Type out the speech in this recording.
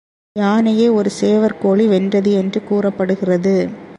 யானையை ஒரு சேவற் கோழி வென்றது என்று கூறப்படுகிறது.